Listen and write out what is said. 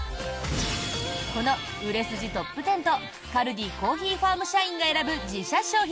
この売れ筋トップ１０とカルディコーヒーファーム社員が選ぶ自社商品